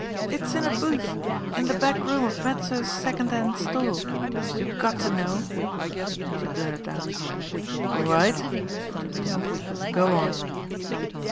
"Aw, it's in a booth in de back room of Mezzo's second* hand store, if youse' ve got to know," she blurted out. "All right," said Jimmie Dale. "Go on